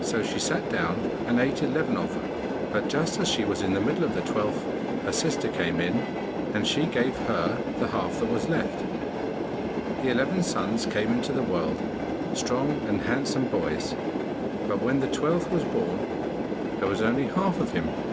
So she sat down and ate eleven of them, but just as she was in the middle of the twelfth her sister came in, and she gave her the half that was left. The eleven sons came into the world, strong and handsome boys; but when the twelfth was born, there was only half of him.